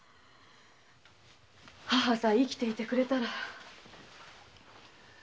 母さえ生きていてくれたら。